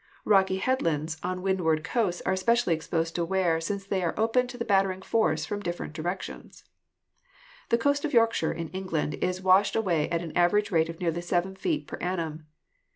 Rocky headlands on wind DESTRUCTIVE AGENCIES 145 ward coasts are especially exposed to wear, since they are open to the battering force from different directions. The coast of Yorkshire in England is washed away at an average rate of nearly seven feet per annum.